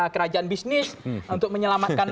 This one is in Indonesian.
kerajaan bisnis untuk menyelamatkan